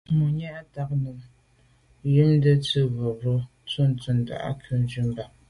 Mùní bə́ á tá'’jú zǎ nunm wîndə́ nə̀ tswə́ mə̀bró tɔ̌ yù tǔndá kā á nun sə̂' bû ncà.